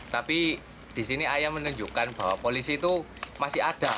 tapi di sini ayah menunjukkan bahwa polisi itu masih ada